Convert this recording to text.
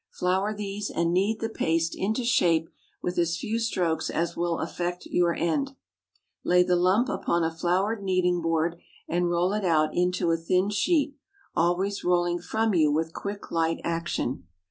Flour these, and knead the paste into shape with as few strokes as will effect your end. Lay the lump upon a floured kneading board and roll it out into a thin sheet, always rolling from you with quick, light action.